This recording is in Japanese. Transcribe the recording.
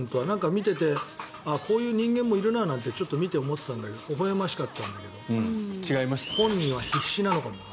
見ていてこういう人間もいるなってちょっと見て、思ってたんだけどほほ笑ましかったんだけど本人は必死なのかも。